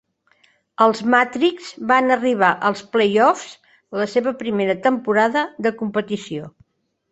Els Matrix van arribar als playoffs la seva primera temporada de competició.